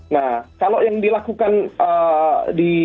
nah kalau yang dilakukan di